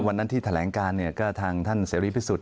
วันนั้นที่แถลงการเนี่ยก็ทางท่านเสรีพิสุทธิ